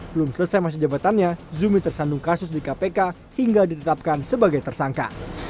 belum selesai masa jabatannya zumi tersandung kasus di kpk hingga ditetapkan sebagai tersangka